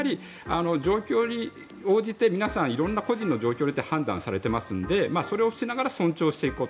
状況に応じて皆さん色んな個人の状況によって判断されていますのでそれをしながら尊重していくこと。